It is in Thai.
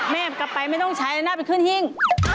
แม่กลับไปไม่ต้องใช้แล้วน่าไปขึ้นหิ้ง